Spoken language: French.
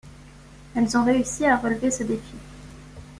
Elles ont réussi à relever ce défi.